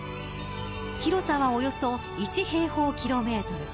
広さはおよそ１平方キロメートル。